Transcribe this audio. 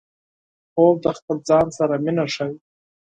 خوب د خپل ځان سره مینه ښيي